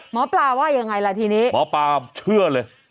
หมอปลาว่ายังไงล่ะทีนี้หมอปลาเชื่อเลย